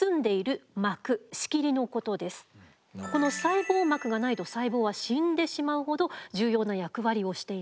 この細胞膜がないと細胞は死んでしまうほど重要な役割をしています。